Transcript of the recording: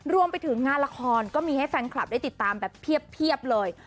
รวมไปถึงงานละครก็มีให้แฟนคลับได้ติดตามแบบเพียบเลย